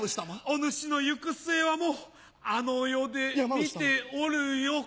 お主の行く末はもうあの世で見ておるよ。